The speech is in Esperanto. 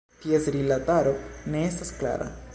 Ties rilataro ne estas klara.